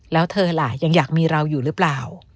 แล้วเธอล่ะยังอยากมีเราอยู่หรือเปล่า